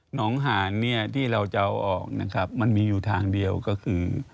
งหานเนี่ยที่เราจะเอาออกนะครับมันมีอยู่ทางเดียวก็คือ